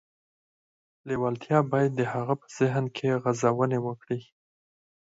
لېوالتیا باید د هغه په ذهن کې غځونې وکړي